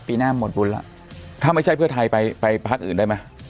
ปีหน้าหมดบุญแล้วถ้าไม่ใช่เพื่อไทยไปไปพักอื่นได้ไหม